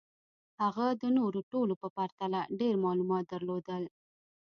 هغه د نورو ټولو په پرتله ډېر معلومات درلودل